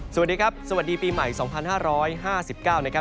สวัสดีครับสวัสดีปีใหม่สองพันห้าร้อยห้าสิบเก้านะครับ